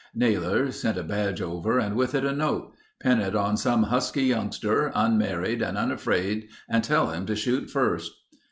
Naylor sent a badge over and with it a note: "Pin it on some husky youngster, unmarried and unafraid and tell him to shoot first."